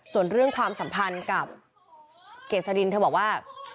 ส่วนเรื่องความสัมพันธ์กับเกษดินเธอบอกว่า